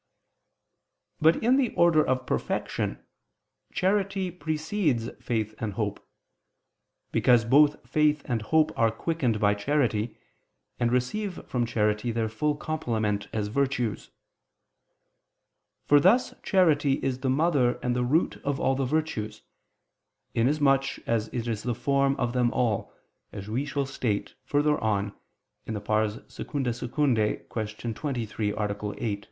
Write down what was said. But in the order of perfection, charity precedes faith and hope: because both faith and hope are quickened by charity, and receive from charity their full complement as virtues. For thus charity is the mother and the root of all the virtues, inasmuch as it is the form of them all, as we shall state further on (II II, Q. 23, A. 8).